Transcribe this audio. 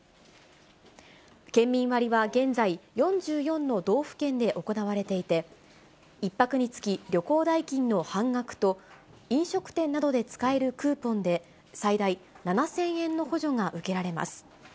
県民割は現在、４４の道府県で行われていて、１泊につき旅行代金の半額と、飲食店などで使えるクーポンで、最大７０００円の補助が受けられます。